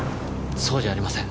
そうじゃありません。